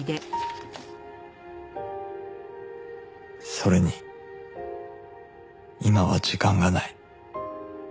それに今は時間がない